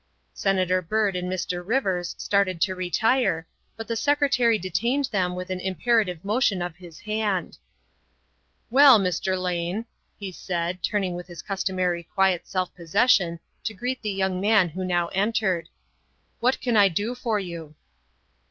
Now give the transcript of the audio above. '' Senator Byrd and Mr. Rivers started to retire, but the Secretary detained them with an imperative motion of his hand. " Well, Mr. Lane," he said, turning with his cus 186 THE WIFE OF ternary quiet self possession to greet the young man who now entered, '' what can I do for you